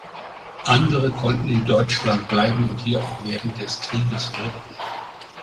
Andere konnten in Deutschland bleiben und hier auch während des Krieges wirken.